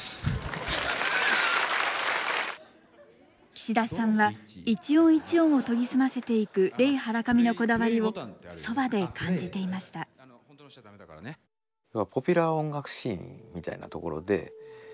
岸田さんは一音一音を研ぎ澄ませていくレイ・ハラカミのこだわりをそばで感じていましたま